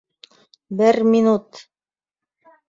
Бер минут!